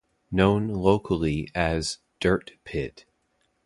Known locally as "Dirt Pit"